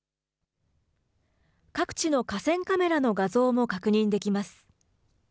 各地の河川カメラの画像も確認できます。